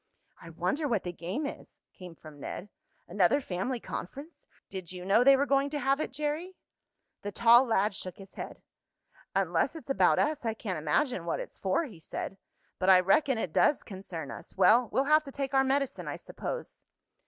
"I wonder what the game is," came from Ned. "Another family conference! Did you know they were going to have it, Jerry?" The tall lad shook his head. "Unless it's about us I can't imagine what it's for," he said. "But I reckon it does concern us. Well, we'll have to take our medicine, I suppose."